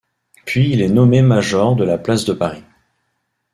Puis il est nommé major de la place de Paris.